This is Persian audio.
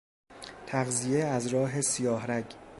تغذیه از راه سیاهرگ